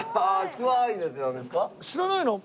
知らないの？